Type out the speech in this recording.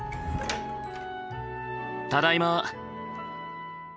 ただいま。